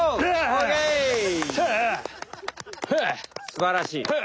すばらしい。